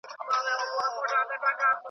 نن مي د جلاد په لاس کي سره تېغونه ولیدل .